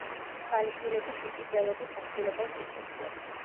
ქალიშვილები თვითმკვლელობით ასრულებენ სიცოცხლეს.